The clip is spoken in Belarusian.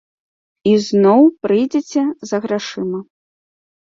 І зноў прыйдзеце за грашыма.